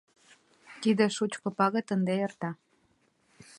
Тиде шучко пагыт ынде эрта.